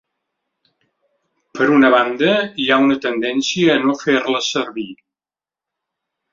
Per una banda, hi ha una tendència a no fer-la servir.